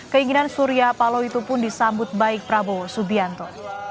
keinginan surya paloh itu pun disambut baik prabowo subianto